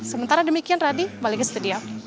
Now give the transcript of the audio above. sementara demikian radhi balik ke studio